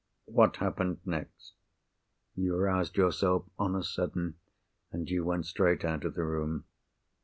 "What happened next?" "You roused yourself on a sudden, and you went straight out of the room."